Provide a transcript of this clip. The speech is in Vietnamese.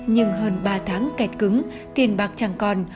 nhưng hơn ba tháng kẹt cứng tiền bạc chẳng còn